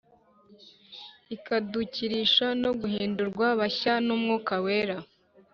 ikadukirisha no guhindurwa bashya n'Umwuka Wera;